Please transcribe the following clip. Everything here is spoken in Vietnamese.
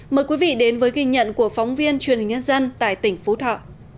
mời quý vị đến với ghi nhận của phóng viên truyền hình nhân dân tại tỉnh phú thọ